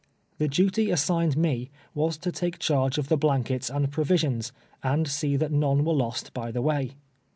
The duty assign ed me was, to take charge of tlie blankets and pro visions, and see tluit none were lost by the way.